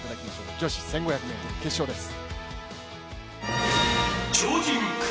女子１５００ｍ決勝です。